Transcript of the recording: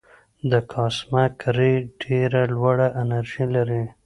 د کاسمک رې ډېره لوړه انرژي لري.